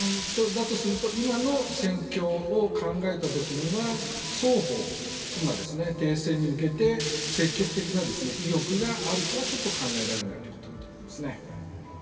だとすると今の戦況を考えたときには双方、今、停戦に向けて積極的な意欲があるとはちょっと考えられないということになりますね。